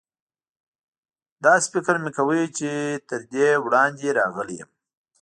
داسې فکر مې کاوه چې تر دې وړاندې راغلی یم.